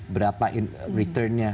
berapa return nya